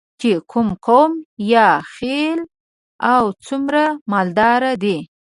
چې کوم قوم یا خیل او څومره مالداره دی.